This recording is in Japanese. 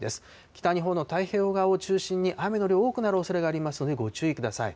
北日本の太平洋側を中心に、雨の量多くなるおそれがありますので、ご注意ください。